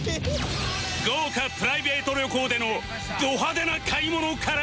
豪華プライベート旅行でのド派手な買い物から